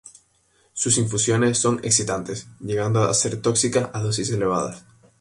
Sus infusiones son excitantes, llegando a ser tóxicas a dosis elevadas.